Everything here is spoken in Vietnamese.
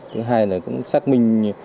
thứ hai là xác minh